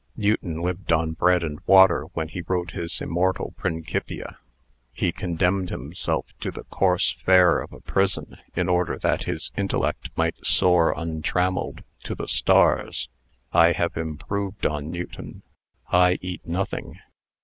Newton lived on bread and water when he wrote his immortal Principia. He condemned himself to the coarse fare of a prison, in order that his intellect might soar untrammelled to the stars. I have improved on Newton I eat nothing.